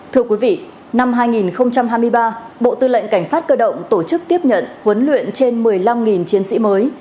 thưa quý vị năm hai nghìn hai mươi ba bộ tư lệnh cảnh sát cơ động tổ chức tiếp nhận huấn luyện trên một mươi năm chiến sĩ mới